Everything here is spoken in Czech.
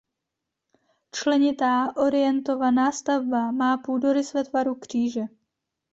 Členitá orientovaná stavba má půdorys ve tvaru kříže.